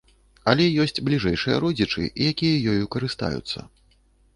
Але ёсць бліжэйшыя родзічы, якія ёю карыстаюцца.